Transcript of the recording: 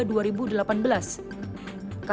kan zatomarin mengatakan